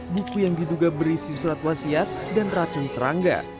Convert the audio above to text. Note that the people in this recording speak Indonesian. buku yang diduga berisi surat wasiat dan racun serangga